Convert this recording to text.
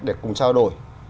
để cùng trao đổi